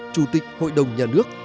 chủ tịch hội đồng nhà nước